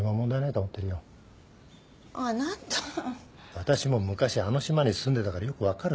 私も昔あの島に住んでたからよく分かる。